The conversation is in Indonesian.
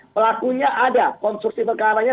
pelakunya ada konstruksi pekaranya